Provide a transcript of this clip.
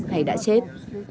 hay đã chết